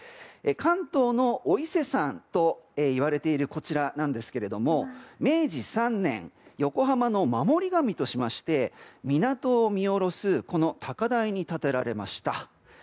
関東のお伊勢さんといわれているこちらなんですが明治３年横浜の守り神としまして港を見下ろす高台に建てられました。